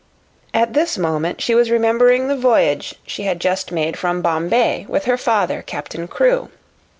At this moment she was remembering the voyage she had just made from Bombay with her father, Captain Crewe.